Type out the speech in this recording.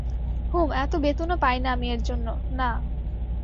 হুম, এত বেতনও পাই না আমি এর জন্য, না।